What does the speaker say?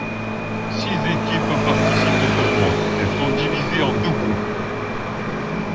Six équipes participent au tournoi, elles sont divisées en deux groupes.